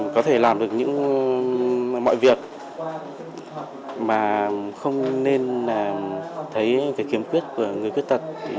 có thể làm được mọi việc mà không nên thấy kiếm quyết của người khuyết tật